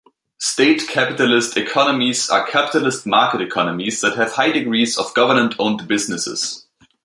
State capitalist economies are capitalist market economies that have high degrees of government-owned businesses.